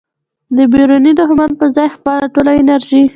د بیروني دښمن په ځای خپله ټوله انرژي